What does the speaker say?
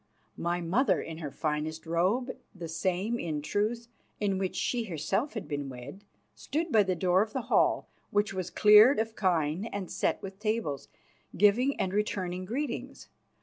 My mother, in her finest robe, the same, in truth, in which she herself had been wed, stood by the door of the hall, which was cleared of kine and set with tables, giving and returning greetings.